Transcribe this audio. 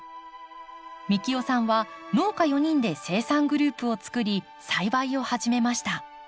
幹雄さんは農家４人で生産グループをつくり栽培を始めました。